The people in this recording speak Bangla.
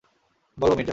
বলো, মির্জা।